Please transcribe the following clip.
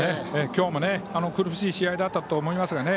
今日も苦しい試合だったと思いますがね。